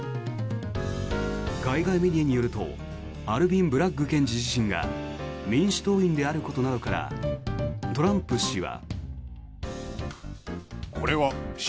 海外メディアによるとアルビン・ブラッグ検事自身が民主党員であることなどからトランプ氏は。